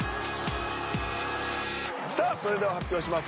さあそれでは発表します。